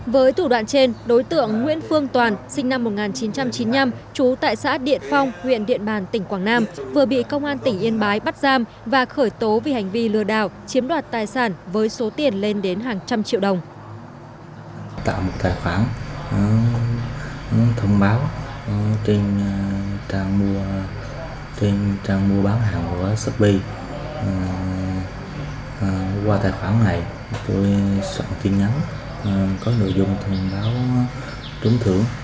với thủ đoạn trên đối tượng nguyễn phương toàn sinh năm một nghìn chín trăm chín mươi năm chú tại xã điện phong huyện điện bàn tỉnh quảng nam vừa bị công an tỉnh yên bái bắt giam và khởi tố vì hành vi lừa đảo chiếm đoạt tài sản với số tiền lên đến hàng trăm triệu đồng